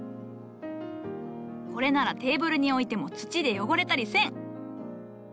これならテーブルに置いても土で汚れたりせん。